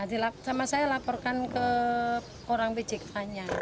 iya sama saya laporkan ke orang bijikannya